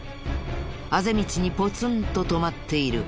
あぜ道にポツンと止まっている。